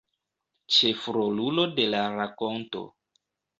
Ĉefrolulo de la rakonto.